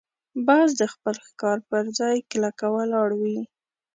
باز د خپل ښکار پر ځای کلکه ولاړ وي